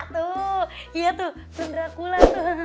tuh iya tuh film drakula